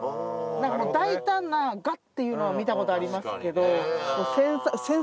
なんかもう大胆なガッていうのは見たことありますけど